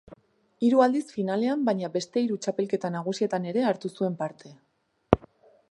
Hiru aldiz finalean baina beste hiru txapelketa nagusietan ere hartu zuen parte.